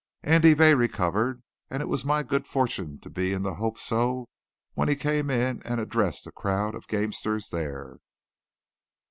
Andy Vey recovered, and it was my good fortune to be in the Hope So when he came in and addressed a crowd of gamesters there.